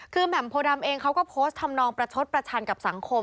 คือแหม่มโพดำเองเขาก็โพสต์ทำนองประชดประชันกับสังคม